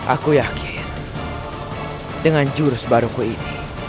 aku yakin dengan jurus baruku ini